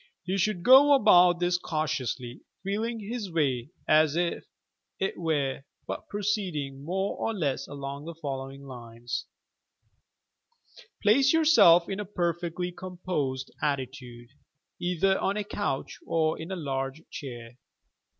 He should go about this cautiously, feeling bis way, as it were, but proceeding more or less along the following lines: Place yourself in a perfectly composed attitude, either on a couch or in a large chair.